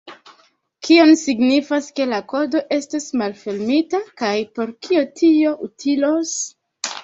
Kion signifas ke la kodo estos malfermita, kaj por kio tio utilos?